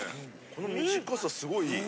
この短さすごいいい・